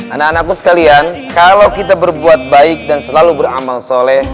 anak anakku sekalian kalau kita berbuat baik dan selalu beramal soleh